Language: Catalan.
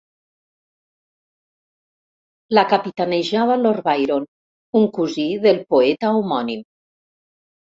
La capitanejava Lord Byron, un cosí del poeta homònim.